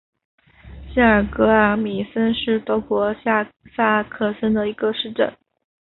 希尔格尔米森是德国下萨克森州的一个市镇。